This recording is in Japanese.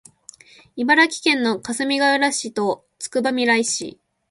茨城県のかすみがうら市とつくばみらい市